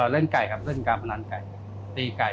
เล่นไก่ครับเล่นการพนันไก่ตีไก่